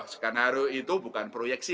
skenario itu bukan proyeksi